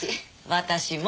私も。